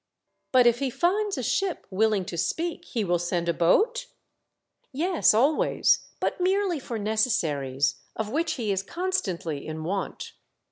" But if he finds a ship willing to speak, he will send a boat ?"" Yes, always ; but merely for necessaries, of which he is constantly in want.